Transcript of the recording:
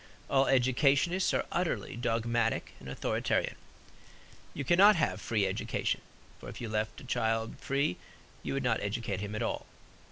All educationists are utterly dogmatic and authoritarian. You cannot have free education; for if you left a child free you would not educate him at all.